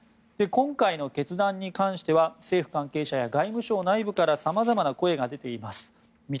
今回の決断に関しては政府関係者や外務省内部からさまざまな声が出ています。